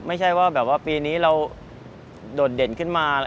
ไม่ใช่ว่าแบบว่าปีนี้เราโดดเด่นขึ้นมา